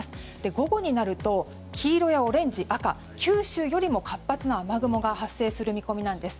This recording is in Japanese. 午後になると黄色やオレンジ、赤九州よりも活発な雨雲が発生する見込みなんです。